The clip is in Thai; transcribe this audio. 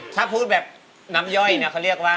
ถ้าพูดแบบน้ำย่อยนะเขาเรียกว่า